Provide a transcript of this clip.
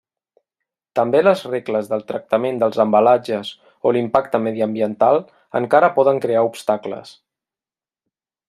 També les regles del tractament dels embalatges o l'impacte mediambiental encara poden crear obstacles.